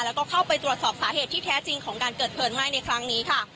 แล้วก็เข้าไปตรวจสอบสาเหตุที่แท้จริงของการเกิดเพลิงไหม้ในครั้งนี้ค่ะ